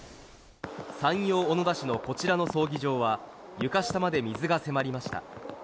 山陽小野田市のこちらの葬儀場は床下まで水が迫りました。